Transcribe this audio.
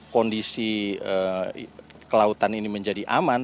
kondisi kelautan ini menjadi aman